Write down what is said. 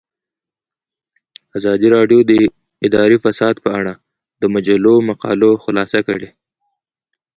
ازادي راډیو د اداري فساد په اړه د مجلو مقالو خلاصه کړې.